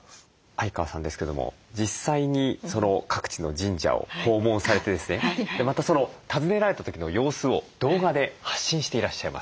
相川さんですけども実際に各地の神社を訪問されてですねまた訪ねられた時の様子を動画で発信していらっしゃいます。